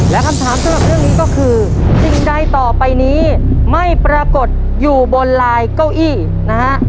และคำถามสำหรับเรื่องนี้ก็คือสิ่งใดต่อไปนี้ไม่ปรากฏอยู่บนลายเก้าอี้นะฮะ